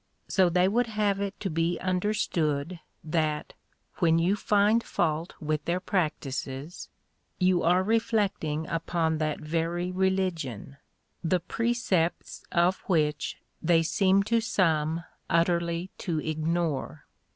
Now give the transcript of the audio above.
So they would have it to be understood that, when you find fault with their practices, you are reflecting upon that very religion, the precepts of which they seem to some utterly to ignore.